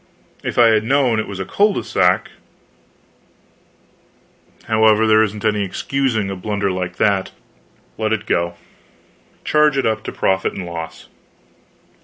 If I had known it was a cul de sac however, there isn't any excusing a blunder like that, let it go. Charge it up to profit and loss.